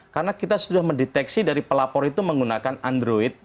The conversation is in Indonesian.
karena kita sudah mendeteksi dari pelapor itu menggunakan android